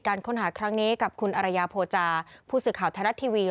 ค้นหาครั้งนี้กับคุณอรยาโภจาผู้สื่อข่าวไทยรัฐทีวี